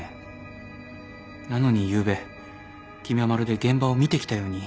なのにゆうべ君はまるで現場を見てきたように。